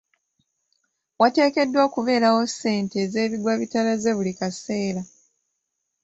Wateekeddwa okubeerawo ssente ez'ebigwa bitalaze buli kaseera.